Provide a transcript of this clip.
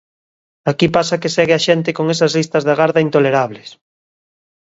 Aquí pasa que segue a xente con esas listas de agarda intolerables.